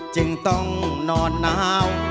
จึงต้องนอนหนาว